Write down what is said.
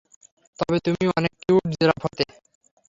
তবে তুমি অনেক কিউট জিরাফ হতে।